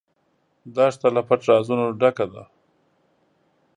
دښته له پټ رازونو ډکه ده.